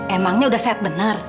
emangnya udah sehat bener